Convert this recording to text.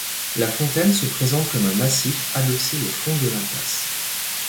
La fontaine se présente comme un massif adossé au fond de l'impasse.